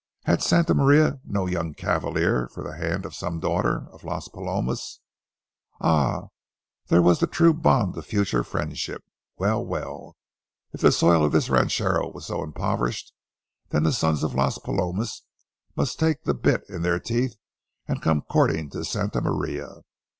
Had Santa Maria no young cavalier for the hand of some daughter of Las Palomas? Ah! there was the true bond for future friendships. Well, well, if the soil of this rancho was so impoverished, then the sons of Las Palomas must take the bit in their teeth and come courting to Santa Maria.